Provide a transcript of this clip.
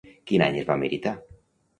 Quin any es va meritar?